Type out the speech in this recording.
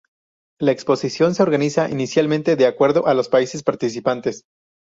La exposición se organiza inicialmente de acuerdo a los países participantes.